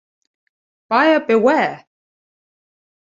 Buyer beware!